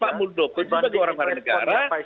pak muldoko sebagai orang warga negara